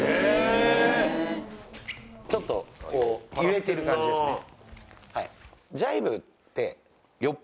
ちょっと揺れてる感じですね。